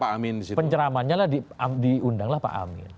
sehingga penceramanya diundanglah pak amin